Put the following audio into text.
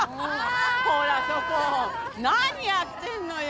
・・ほらそこ何やってんのよ！